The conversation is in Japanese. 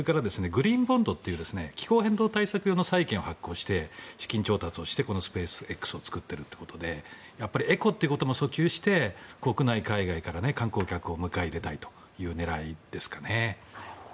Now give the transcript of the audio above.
それから気候変動対策の債券を発行して資金調達をしてスペーシアＸを作っているということでエコということも訴求して国内海外から観光客を迎え入れたいという狙いですかね。